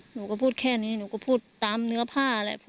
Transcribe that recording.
หนูก็พูดแค่นี้หนูก็พูดตามเนื้อผ้าแหละ